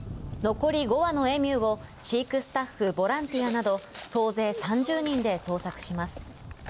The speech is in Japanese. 残り５羽のエミューを飼育スタッフ、ボランティアなど、総勢３０人で捜索します。